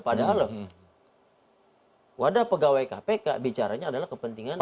padahal loh wadah pegawai kpk bicaranya adalah kepentingan